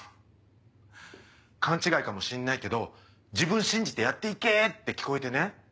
勘違いかもしんないけど「自分信じてやっていけ！」って聞こえてね。